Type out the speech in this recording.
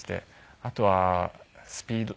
あとはスピードですね。